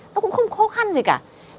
nó cũng không khó khăn gì cả